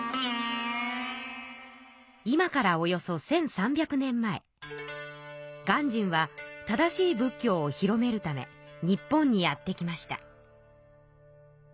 今からおよそ１，３００年前鑑真は正しい仏教を広めるため日本にやって来ました。